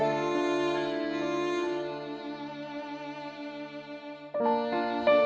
jika mau ke kebatasan